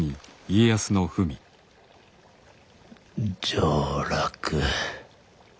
上洛。